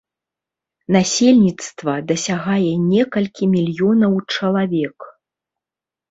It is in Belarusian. Насельніцтва дасягае некалькі мільёнаў чалавек.